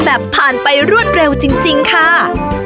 ผ่านไปรวดเร็วจริงค่ะ